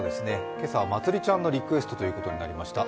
今朝はまつりちゃんのリクエストということになりました。